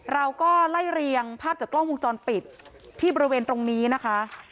เราก็ไล่เรียงภาพจากกล้องวงจรปิดที่บริเวณตรงนี้นะคะ